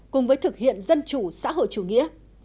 cùng với thực hiện dân chủ xã hội chủ nghĩa